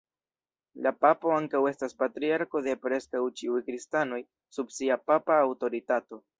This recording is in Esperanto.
La papo ankaŭ estas patriarko de preskaŭ ĉiuj kristanoj sub sia papa aŭtoritato.